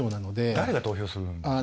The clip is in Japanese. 誰が投票するんですか？